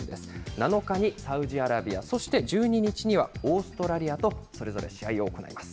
７日にサウジアラビア、そして１２日にはオーストラリアと、それぞれ試合を行います。